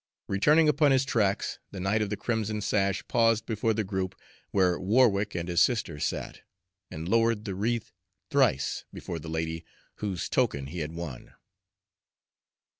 Returning upon his tracks, the knight of the crimson sash paused before the group where Warwick and his sister sat, and lowered the wreath thrice before the lady whose token he had won.